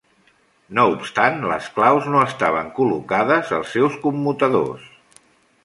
No obstant, las claus no estaven col·locades als seus commutadors.